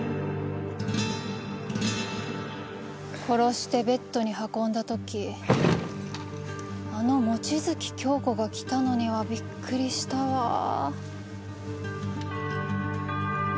殺してベッドに運んだ時あの望月京子が来たのにはびっくりしたわ。